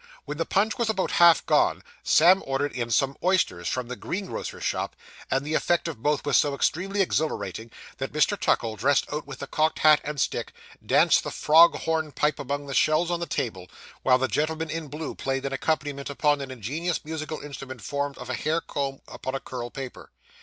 When the punch was about half gone, Sam ordered in some oysters from the green grocer's shop; and the effect of both was so extremely exhilarating, that Mr. Tuckle, dressed out with the cocked hat and stick, danced the frog hornpipe among the shells on the table, while the gentleman in blue played an accompaniment upon an ingenious musical instrument formed of a hair comb upon a curl paper.